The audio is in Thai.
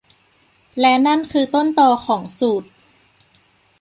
และนั่นคือต้นตอของสูต